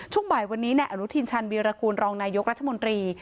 บ่ายวันนี้นายอนุทินชันวีรกูลรองนายกรัฐมนตรี